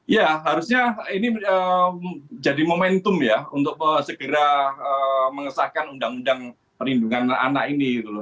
ya harusnya ini menjadi momentum ya untuk segera mengesahkan undang undang perlindungan anak ini